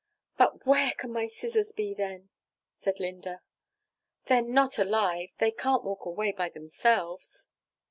"But where can my scissors be, then?" said Linda. "They're not alive they can't walk away by themselves."